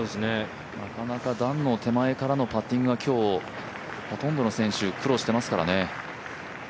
なかなか段の手前からのパッティングはほとんどの選手、苦労してますからね。